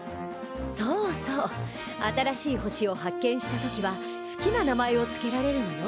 そうそう新しい星を発見した時は好きな名前を付けられるのよ！